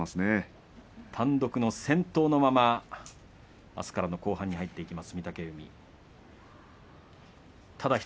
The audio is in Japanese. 単独の先頭のままあすからの後半に入っていきます御嶽海。